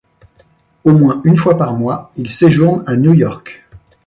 Au moins une fois par mois, il séjourne à New York.